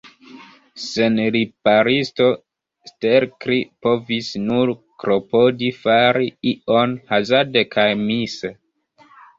Sen riparisto, Stelkri povis nur klopodi fari ion, hazarde kaj mise.